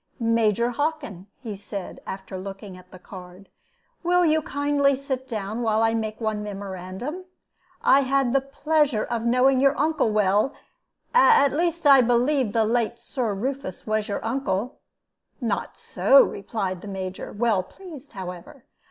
"Major Hockin," he said, after looking at the card, "will you kindly sit down, while I make one memorandum? I had the pleasure of knowing your uncle well at least I believe that the late Sir Rufus was your uncle." "Not so," replied the Major, well pleased, however.